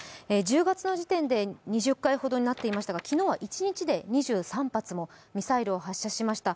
１０月の時点で２０回ほどになっていましたが、昨日は、一日で２３発もミサイルを発射しました。